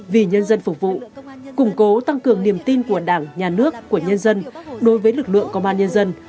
vì nhân dân phục vụ củng cố tăng cường niềm tin của đảng nhà nước của nhân dân đối với lực lượng công an nhân dân